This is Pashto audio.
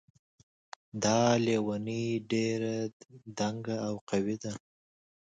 دا لیونۍ ډېر دنګ او قوي ده